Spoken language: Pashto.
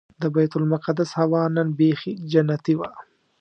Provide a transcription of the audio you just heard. د بیت المقدس هوا نن بيخي جنتي وه.